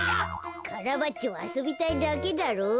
カラバッチョはあそびたいだけだろう。